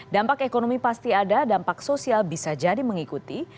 dampak ekonomi pasti ada dampak sosial bisa jadi mengikuti